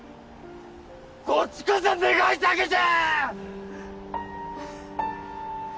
こっちこそ願い下げじゃ！